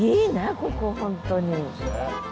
ここ本当に。